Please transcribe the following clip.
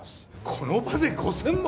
この場で５，０００万？